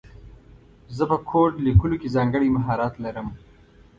زه په کوډ لیکلو کې ځانګړی مهارت لرم